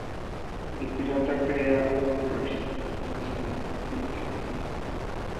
El pirata que crea Borges no es un pirata común.